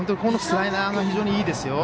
スライダーが非常にいいです。